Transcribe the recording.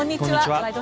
「ワイド！